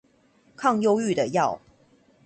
抗憂鬱的藥